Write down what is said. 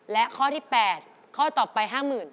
และข้อที่๘ข้อต่อไป๕๐๐๐บาท